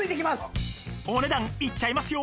お値段言っちゃいますよ